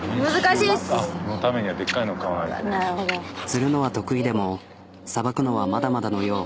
釣るのは得意でもさばくのはまだまだのよう。